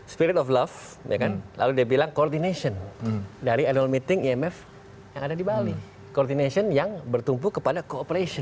spirit of love and walaika dengan menteri keuangan serta firman per vera sarah lu